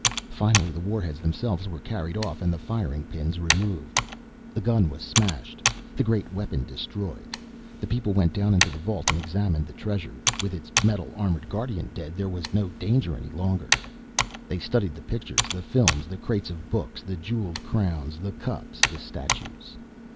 Finally the warheads themselves were carried off and the firing pins removed. The gun was smashed, the great weapon destroyed. The people went down into the vault and examined the treasure. With its metal armored guardian dead there was no danger any longer. They studied the pictures, the films, the crates of books, the jeweled crowns, the cups, the statues.